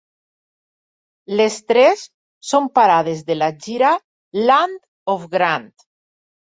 Les tres són parades de la gira Land of Grant.